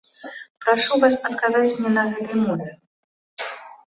Прашу вас адказаць мне на гэтай мове.